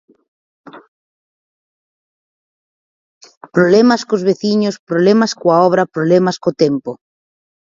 Problemas cos veciños, problemas coa obra, problemas co tempo.